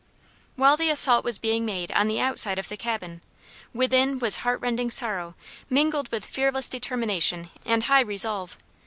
While the assault was being made on the outside of the cabin, within was heart rending sorrow mingled with fearless determination and high resolve.